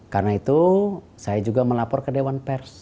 karena itu saya juga melapor ke dewan pers